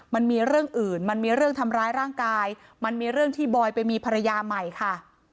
มันมีเรื่องอื่นมันมีเรื่องทำร้ายร่างกายมันมีเรื่องที่บอยไปมีภรรยาใหม่ค่ะ